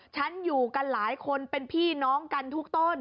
ฉันอยู่กันหลายคนเป็นพี่น้องกันทุกต้น